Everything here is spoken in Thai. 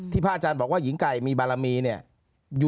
พระอาจารย์บอกว่าหญิงไก่มีบารมีเนี่ย